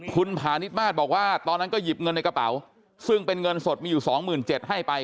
คุณพาณิชมาสบอกว่าตอนนั้นก็หยิบเงินในกระเป๋าซึ่งเป็นเงินสดมีอยู่๒๗๐๐ให้ไป